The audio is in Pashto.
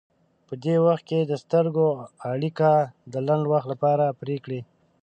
په دې وخت کې د سترګو اړیکه د لنډ وخت لپاره پرې کړئ.